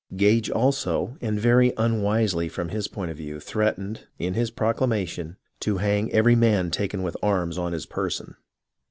Gage also, and very unwisely from his point of view, threatened, in his proclamation, to hang every man taken with arms on his person.